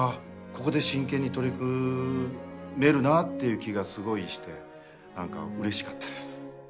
ここで真剣に取り組めるなっていう気がすごいして何かうれしかったです。